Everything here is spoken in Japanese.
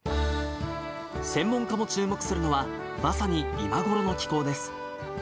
専門家も注目するのは、まさに今頃の気候です。